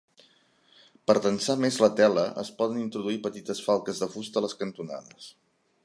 Per tensar més la tela es poden introduir petites falques de fusta a les cantonades.